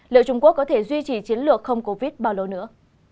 liệu trung quốc có thể duy trì chiến lược không covid bao lâu nữa